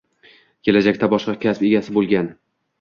kelajakda boshqa kasb egasi bo‘lgan